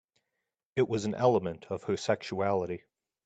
It was an element of her sexuality.